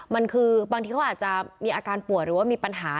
มันคือบางทีเขาอาจจะมีอาการป่วยหรือว่ามีปัญหา